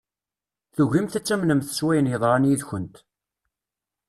Tugimt ad tamnemt s wayen yeḍran yid-kent.